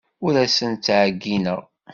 Ur asent-ttɛeyyineɣ.